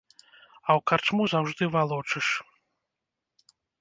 А ў карчму заўжды валочыш.